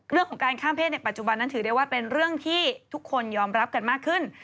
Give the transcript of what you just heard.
เรื่องของการข้ามเศษในปัจจุบันนั้นถือได้ว่าเป็นเรื่องที่ทุกคนยอมรับกันมากขึ้น